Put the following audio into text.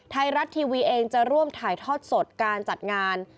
ไทยรัฐทีวีเองจะร่วมถ่ายทอดสดการจัดงาน